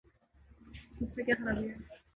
اس میں کیا خرابی ہے؟